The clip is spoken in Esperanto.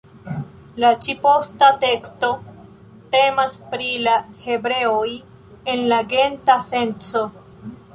La ĉi-posta teksto temas pri la hebreoj en la genta senco.